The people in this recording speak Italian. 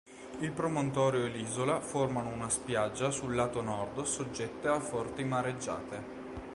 Il promontorio e l'isola formano una spiaggia sul lato nord soggetta a forti mareggiate.